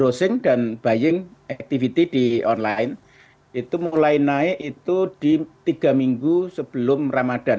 browsing dan buying activity di online itu mulai naik itu di tiga minggu sebelum ramadan